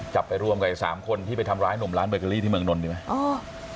จับไปรวมกับสามคนที่ไปทำร้ายหนุ่มร้านเบอร์เกอรี่ที่เมืองนนท์ดีไหม